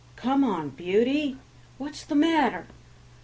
"Come on, Beauty, what's the matter?"